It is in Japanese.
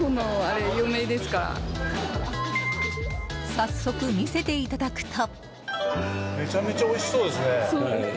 早速、見せていただくと。